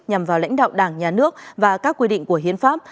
nhằm vào lãnh đạo đảng nhà nước và các quy định của hiến pháp